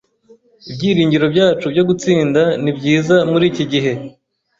Ibyiringiro byacu byo gutsinda ni byiza muri iki gihe.